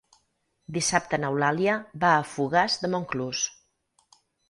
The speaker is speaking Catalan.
Dissabte n'Eulàlia va a Fogars de Montclús.